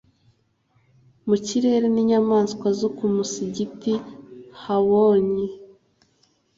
mu kirere n inyamaswa zo ku musigiti habonye